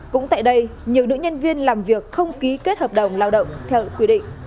cũng tại đây nhiều nữ nhân viên làm việc không ký kết hợp đồng lao động theo quy định